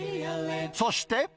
そして。